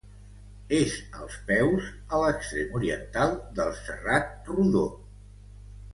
És als peus, a l'extrem oriental, del Serrat Rodó.